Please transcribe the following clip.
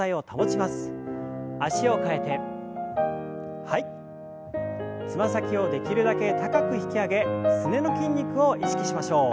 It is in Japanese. つま先をできるだけ高く引き上げすねの筋肉を意識しましょう。